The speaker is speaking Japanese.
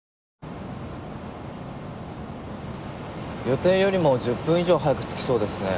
予定よりも１０分以上早く着きそうですね。